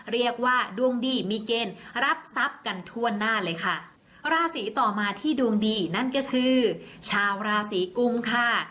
เรียกว่าดวงดีมีเกณฑ์รับทรัพย์กันทั่วหน้าเลยค่ะราศีต่อมาที่ดวงดีนั่นก็คือชาวราศีกุมค่ะ